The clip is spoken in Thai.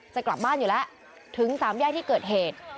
จะกลับบ้านอยู่แล้วถึงสามแยกที่เกิดเหตุ